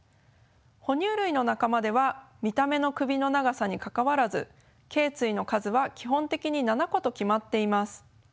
哺乳類の仲間では見た目の首の長さに関わらずけい椎の数は基本的に７個と決まっています。